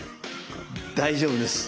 大丈夫です。